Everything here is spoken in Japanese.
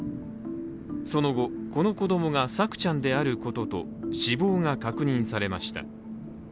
その後、この子供が朔ちゃんであることと死亡が確認されました。